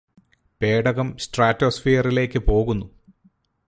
പേടകം സ്ട്രാറ്റോസ്ഫിയറിലേക്ക് പോകുന്നു